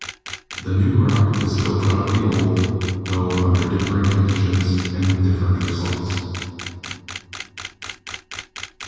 The new rock is built out of the old, tho under differing conditions and with different results.